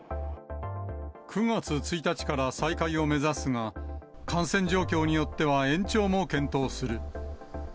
９月１日から再開を目指すが、感染状況によっては、延長も検討する。